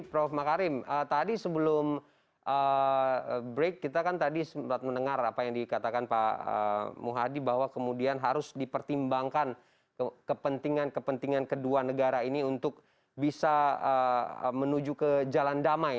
prof makarim tadi sebelum break kita kan tadi sempat mendengar apa yang dikatakan pak muhadi bahwa kemudian harus dipertimbangkan kepentingan kepentingan kedua negara ini untuk bisa menuju ke jalan damai